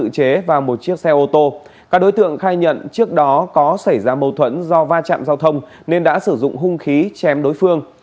các đối tượng khai nhận trước đó có xảy ra mâu thuẫn do va chạm giao thông nên đã sử dụng hung khí chém đối phương